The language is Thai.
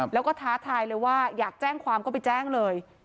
แล้วก็ท้าทายเลยว่าอยากแจ้งความก็ไปแจ้งเลย